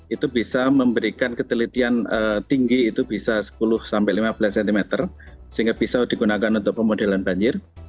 itu bisa memberikan ketelitian tinggi itu bisa sepuluh sampai lima belas cm sehingga bisa digunakan untuk pemodelan banjir